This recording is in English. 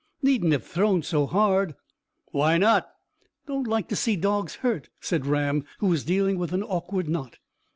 "Needn't have thrown so hard." "Why not?" "Don't like to see dogs hurt," said Ram, who was dealing with an awkward knot.